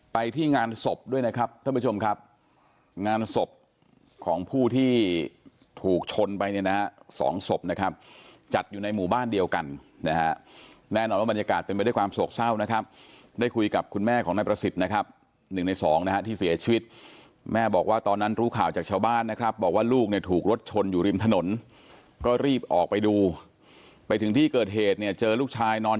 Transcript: ไปที่งานศพด้วยนะครับท่านผู้ชมครับงานศพของผู้ที่ถูกชนไปเนี่ยนะฮะสองศพนะครับจัดอยู่ในหมู่บ้านเดียวกันนะฮะแน่นอนว่าบรรยากาศเป็นไปด้วยความโศกเศร้านะครับได้คุยกับคุณแม่ของแม่ประสิทธิ์นะครับหนึ่งในสองนะฮะที่เสียชีวิตแม่บอกว่าตอนนั้นรู้ข่าวจากชาวบ้านนะครับบอกว่าลูกเนี่ยถูกร